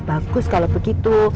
bagus kalau begitu